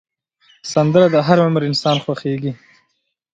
سندره د هر عمر انسان خوښېږي